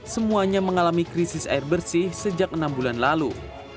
semuanya mengalami krisis air bersih sejak enam bulan lalu